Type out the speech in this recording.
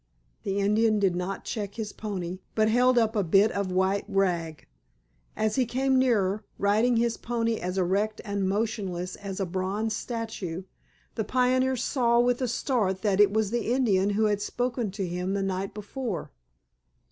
The Indian did not check his pony, but held up a bit of white rag. As he came nearer, riding his pony as erect and motionless as a bronze statue, the pioneer saw with a start that it was the Indian who had spoken to him the night before.